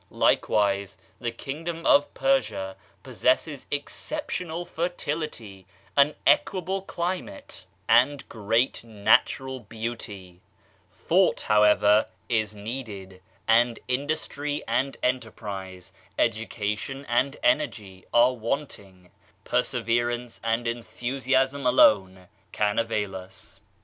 Likewise the kingdom of Persia pos sesses exceptional fertility, an equable climate, and 14 Digitized by Google OF CIVILIZATION great natural beauty. Thought, however, is needed ; and industry and enterprise, education and energy are wanting; perseverance and enthusiasm alone can avail us.